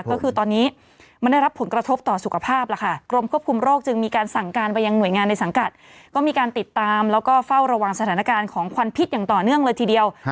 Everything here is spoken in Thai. ก็คือตอนนี้มันได้รับผลกระทบต่อสุขภาพล่ะค่ะกรมควบคุมโรคจึงมีการสั่งการไปยังหน่วยงานในสังกัดก็มีการติดตามแล้วก็เฝ้าระวังสถานการณ์ของควันพิษอย่างต่อเนื่องเลยทีเดียว